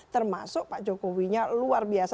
termasuk pak jokowi dan pak tgb yang sangat agresif gitu ya